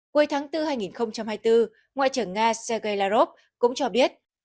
cuối tháng bốn hai nghìn hai mươi bốn ngoại trưởng nga sergei lavrov cũng cho biết